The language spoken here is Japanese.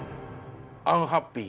アンハッピー。